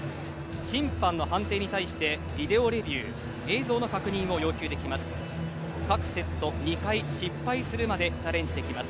審判の判定に対してビデオレビュー映像の確認を要求できます。